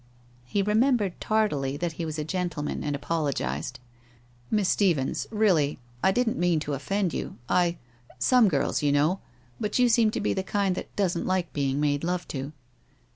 He remembered tardily that he was a gentleman, and apologized. 'Miss Stephens — really — I didn't mean to WHITE ROSE OF WEARY LEAF 99 offend you. I — some girls, you know — but you seem to be the kind that doesn't like being made love to.'